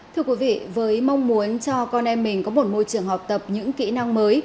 thưa quý vị với mong muốn cho con em mình có một môi trường học tập những kỹ năng mới